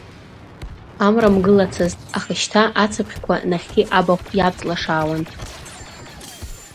Амра мгылацызт, аха шьҭа ацыԥхьқәа нахьхьи абахә иавҵлашаауан.